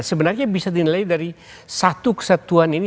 sebenarnya bisa dinilai dari satu kesatuan ini